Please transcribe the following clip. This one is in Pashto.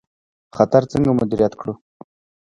خطر څنګه مدیریت کړو؟